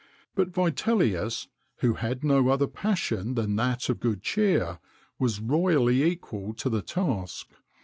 But Vitellius, who had no other passion than that of good cheer, was royally equal to the task.